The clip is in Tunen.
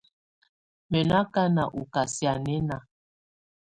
Mɛ́ nɔ́ ákáná ɔ kasianɛna.